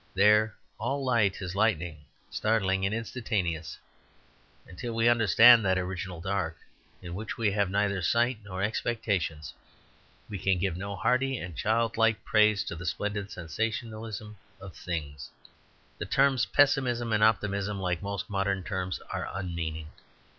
There all light is lightning, startling and instantaneous. Until we understand that original dark, in which we have neither sight nor expectation, we can give no hearty and childlike praise to the splendid sensationalism of things. The terms "pessimism" and "optimism," like most modern terms, are unmeaning.